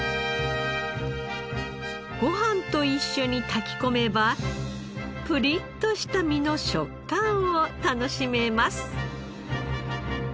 ご飯と一緒に炊き込めばプリッとした身の食感を楽しめます。